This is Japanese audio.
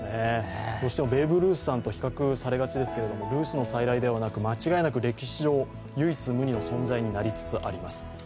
どうしてもベーブ・ルースさんと比較されがちですけれども、ルースの再来ではなく、間違いなく歴史上唯一無二の存在になりつつあります。